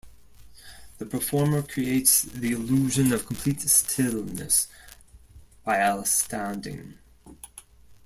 The performer creates the illusion of complete stillness while standing.